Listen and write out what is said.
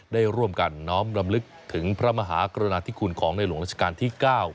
ได้ร่วมกันน้อมลำลึกถึงพระมหากรณาธิคุณของในหลวงราชการที่๙